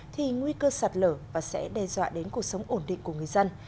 thì nguy cơ sạt lở và sẽ đe dọa đến cuộc sống ổn định của người dân